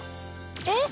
えっ！